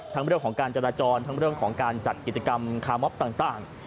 ทั้งเวลาของการจราจรทั้งเวลาของการจัดกิจกรรมคามอบต่าง